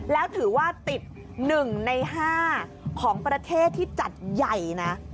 แล้วถือว่าติด๑ใน๕ของประเทศที่จัดใหญ่นะ